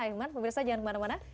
ahilman pemirsa jangan kemana mana